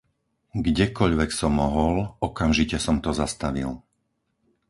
Kdekoľvek som mohol, okamžite som to zastavil.